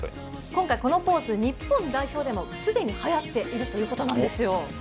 今回このポーズ、日本代表でも既にはやってるということなんですよ。